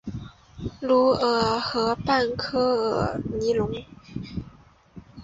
卢尔河畔科尔尼隆。